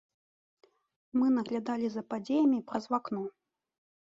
Мы наглядалі за падзеямі праз вакно.